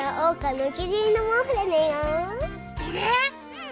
うん。